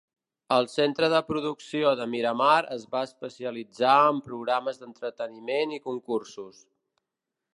El centre de producció de Miramar es va especialitzar en programes d'entreteniment i concursos.